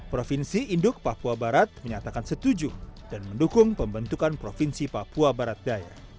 provinsi induk papua barat menyatakan setuju dan mendukung pembentukan provinsi papua barat daya